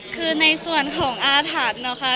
คือในส่วนของอาถรรพ์นะคะ